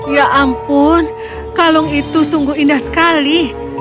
ya ampun kalung itu sungguh indah sekali